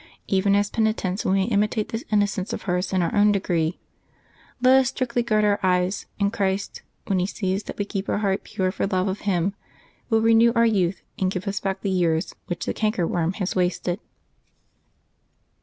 Even as penitents we may imitate this innocence of hers in our own degree. L et ns strictly guard our eyes, and Christ, when He sees that we keep our hearts pure for love of Him, will renew our youth and give us back the years which the canker worm has wasted.